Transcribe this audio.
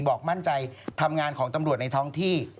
บอกมั่นใจทำงานของตำรวจในท้องที่